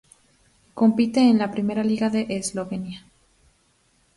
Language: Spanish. Compite en la Primera Liga de Eslovenia.